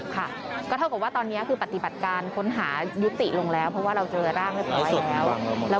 ค่ะก็เท่ากับว่าตอนนี้คือปฏิบัติการค้นหายุติลงแล้วเพราะว่าเราเจอร่างเรียบร้อยแล้ว